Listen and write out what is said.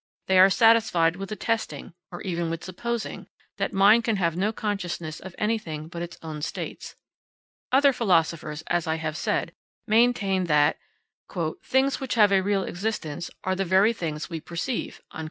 They are satisfied with attesting, or even with supposing, that mind can have no consciousness of anything but its own states. Other philosophers, as I have said, maintain that "things which have a real existence are the very things we perceive."